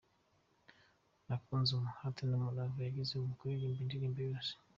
Nakunze umuhate n’umurava wagize mu kuririmba indirimbo yose.